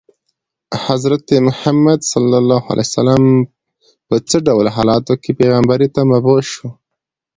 حضرت محمد په څه ډول حالاتو کې پیغمبرۍ ته مبعوث شو.